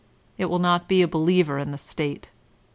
It will not be a believer in the State.